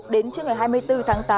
đến trưa ngày hai mươi bốn tháng tám